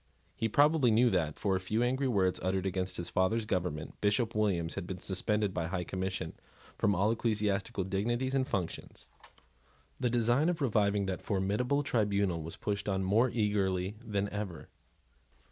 He probably knew that, for a few angry words uttered against his father's government, Bishop Williams had been suspended by the High Commission from all ecclesiastical dignities and functions. The design of reviving that formidable tribunal was pushed on more eagerly than ever.